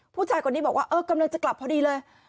ผู้ชายคนนี้บอกว่าเออกำลังจะกลับพอดีเลย